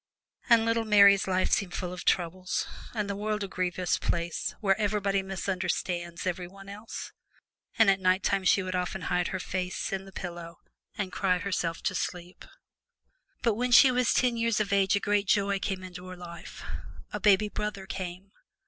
And little Mary's life seemed full of troubles, and the world a grievous place where everybody misunderstands everybody else; and at nighttime she would often hide her face in the pillow and cry herself to sleep. But when she was ten years of age a great joy came into her life a baby brother came!